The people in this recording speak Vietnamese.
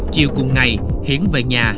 chiều cùng ngày hiển về nhà